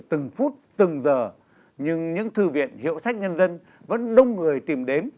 từng phút từng giờ nhưng những thư viện hiệu sách nhân dân vẫn đông người tìm đến